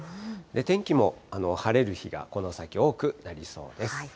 天気も晴れる日が、この先多くなりそうです。